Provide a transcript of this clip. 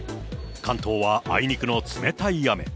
関東はあいにくの冷たい雨。